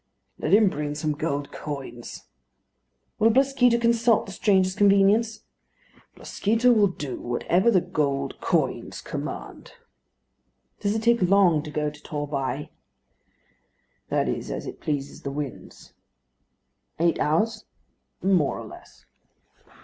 "Let him bring some gold coins." "Will Blasquito consult the stranger's convenience?" "Blasquito will do whatever the gold coins command." "Does it take long to go to Torbay?" "That is as it pleases the winds." "Eight hours?" "More or less."